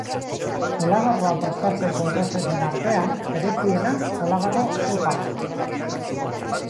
Olagarroa prestatzeko errezeten artean bereziena olagarro zopa da.